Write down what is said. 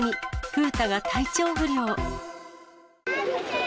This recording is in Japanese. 風太が体調不良。